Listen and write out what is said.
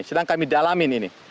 sedang kami dalamin ini